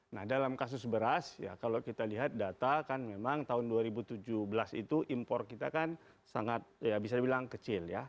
nah dalam kasus beras ya kalau kita lihat data kan memang tahun dua ribu tujuh belas itu impor kita kan sangat ya bisa dibilang kecil ya